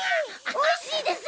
おいしいです！